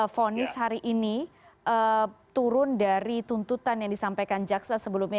fonis hari ini turun dari tuntutan yang disampaikan jaksa sebelumnya